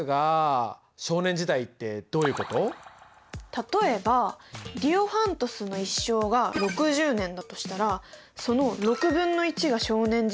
例えばディオファントスの一生が６０年だとしたらそのが少年時代ってことは？